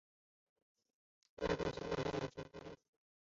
外婆行动还算顺利